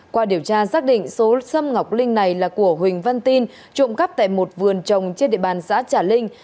qua điều tra xác định số sâm ngọc linh này là của huỳnh văn tin trộm cắp tại một vườn trồng trên địa bàn xã trà linh